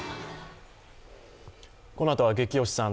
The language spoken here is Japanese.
このあとは「ゲキ推しさん」